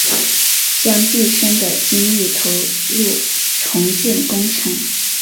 将毕生的精力投入重建工程